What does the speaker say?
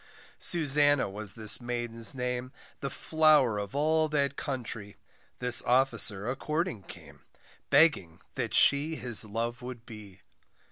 Susannah was this maiden's name, The flower of all that country, This officer a courting came, Begging that she his love would be.